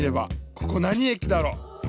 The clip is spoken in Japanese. ここなにえきだろ？